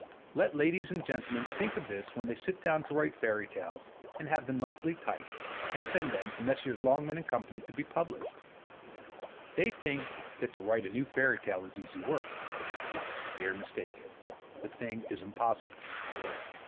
Let ladies and gentlemen think of this when they sit down to write fairy tales, and have them nicely typed, and send them to Messrs. Longman & Co. to be published. They think that to write a new fairy tale is easy work. They are mistaken: the thing is impossible.